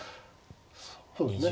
そうですね。